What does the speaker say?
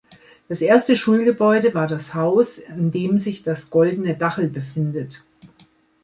Das erste Schulgebäude war das Haus, an dem sich das Goldene Dachl befindet.